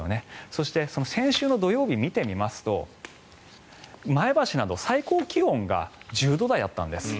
そして先週土曜日を見てみますと前橋など最高気温が１０度台だったんです。